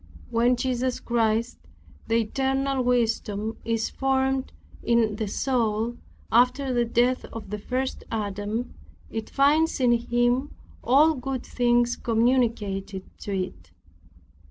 When Jesus Christ, the eternal wisdom, is formed in the soul, after the death of the first Adam, it finds in Him all good things communicated to it.